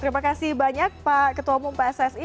terima kasih banyak pak ketua umum pssi